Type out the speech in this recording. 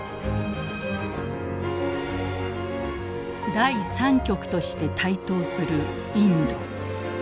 第３極として台頭するインド。